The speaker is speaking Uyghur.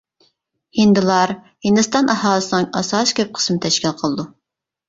ھىندىلار ھىندىستان ئاھالىسىنىڭ ئاساسىي كۆپ قىسمىنى تەشكىل قىلىدۇ.